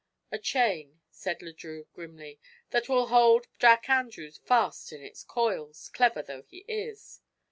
"A chain," said Le Drieux, grimly, "that will hold Jack Andrews fast in its coils, clever though he is."